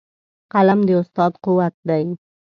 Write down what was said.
قلم د استاد قوت دی.